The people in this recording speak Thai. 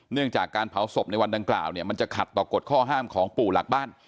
เนื่องจากการเผาศพในวันดังกล่าวเนี่ยมันจะขัดต่อกฎข้อห้ามของปู่หลักบ้าน